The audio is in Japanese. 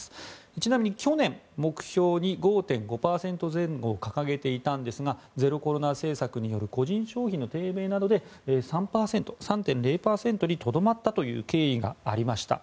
ちなみに去年、目標に５．５％前後を掲げていたんですがゼロコロナ政策による個人消費の低迷などで３％にとどまったという経緯がありました。